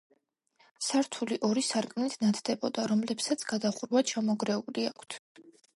სართული ორი სარკმლით ნათდებოდა, რომლებსაც გადახურვა ჩამონგრეული აქვთ.